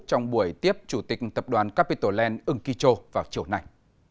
trong buổi tiếp chủ tịch tập đoàn capital land ưng kỳ châu vào chiều này